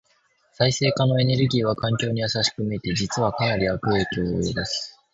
再生可能エネルギーは環境に優しく見えて、実はかなり悪影響を及ぼす。